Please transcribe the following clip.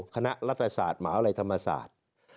คณะรัฐศาสตร์มหาวิทยาลัยธรรมศาสตร์